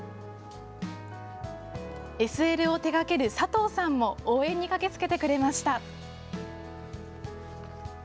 ＳＬを手がける佐藤さんも、応援に駆けつけてくれました。